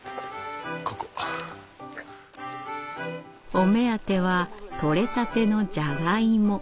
お目当てはとれたてのじゃがいも。